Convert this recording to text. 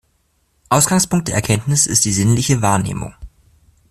Ausgangspunkt der Erkenntnis ist die sinnliche Wahrnehmung.